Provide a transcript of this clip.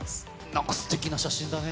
なんかすてきな写真だね。